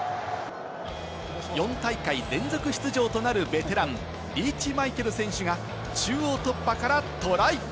４大会連続出場となるベテラン、リーチ・マイケル選手が中央突破からトライ。